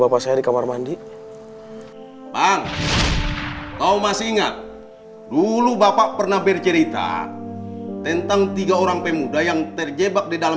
bapak saya di kamar mandi bang kau masih ingat dulu bapak pernah bercerita tentang tiga orang pemuda yang terjebak di dalam